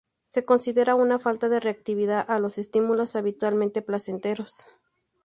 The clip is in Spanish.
Se considera una falta de reactividad a los estímulos habitualmente placenteros.